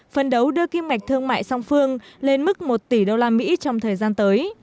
phân đấu đưa kim ngạch thương mại song phương lên mức một tỷ usd trong thời gian tới